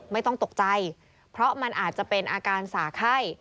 ไม่ต้องตกใจเพราะมันอาจจะเป็นอาการสาไข้